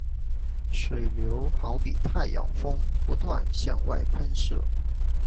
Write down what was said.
水流好比太阳风不断向外喷射。